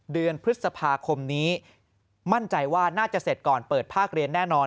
เดือนพฤษภาคมนี้มั่นใจว่าน่าจะเสร็จก่อนเปิดภาคเรียนแน่นอน